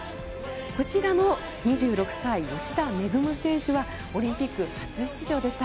こちらの２６歳、吉田萌選手はオリンピック初出場でした。